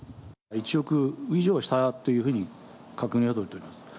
１億以上したというふうに確認は取れています。